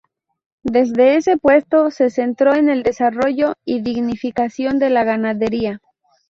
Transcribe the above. Desde ese puesto, se centró en el desarrollo y dignificación de la ganadería.